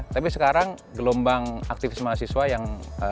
tapi sekarang gelombang aktivis mahasiswa yang